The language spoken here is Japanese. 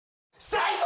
最高！